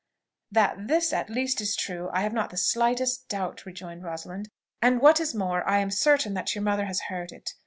"That this at least is true, I have not the slightest doubt," rejoined Rosalind: "and what is more, I am certain your mother has heard it.